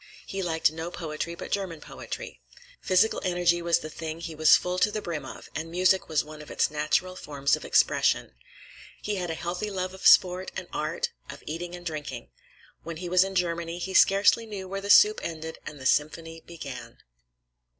He liked no poetry but German poetry. Physical energy was the thing he was full to the brim of, and music was one of its natural forms of expression. He had a healthy love of sport and art, of eating and drinking. When he was in Germany, he scarcely knew where the soup ended and the symphony began.